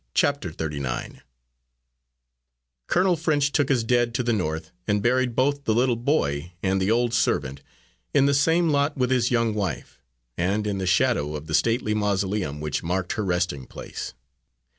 Thirty nine Colonel French took his dead to the North, and buried both the little boy and the old servant in the same lot with his young wife, and in the shadow of the stately mausoleum which marked her resting place.